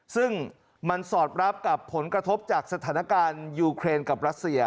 ซึ่งมันสอดรับกับผลกระทบจากสถานการณ์ยูเครนกับรัสเซีย